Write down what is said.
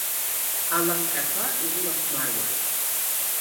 Алапҟьақәа ирылахәмаруан.